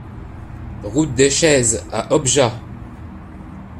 Route des Chezes à Objat